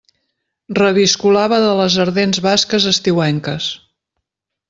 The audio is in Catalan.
Reviscolava de les ardents basques estiuenques.